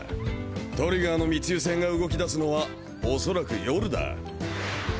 トリガーの密輸船が動き出すのはおそらく夜だ。